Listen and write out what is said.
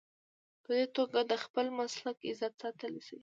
په دې توګه د خپل مسلک عزت ساتلی شي.